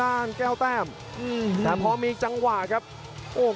โอเคเต้นของชรอกัน